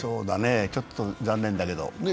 ちょっと残念だけど。